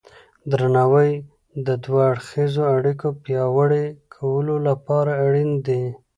درناوی د دوه اړخیزو اړیکو پیاوړي کولو لپاره اړین دی.